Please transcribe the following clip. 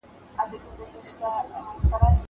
زه پرون موټر کاروم .